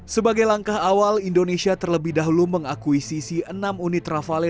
sebagai langkah awal indonesia terlebih dahulu mengakuisisi enam unit rafale